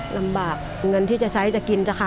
ลำบากเงินที่จะใช้จะกิน